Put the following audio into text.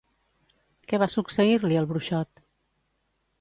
Què va succeir-li al bruixot?